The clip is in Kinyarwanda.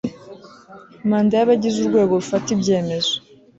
manda y abagize urwego rufata ibyemezo